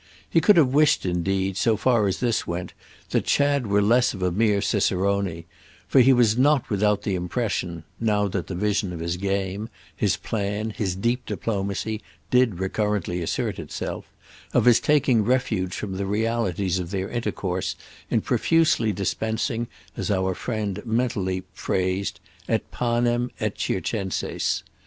He could have wished indeed, so far as this went, that Chad were less of a mere cicerone; for he was not without the impression—now that the vision of his game, his plan, his deep diplomacy, did recurrently assert itself—of his taking refuge from the realities of their intercourse in profusely dispensing, as our friend mentally phrased it, panem et circenses.